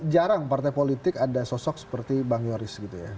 jarang partai politik ada sosok seperti bang yoris gitu ya